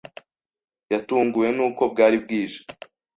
Yatunguwe nuko bwari bwije.